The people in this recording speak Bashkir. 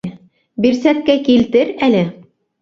—Бирсәткә килтер әле!